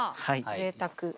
ぜいたく。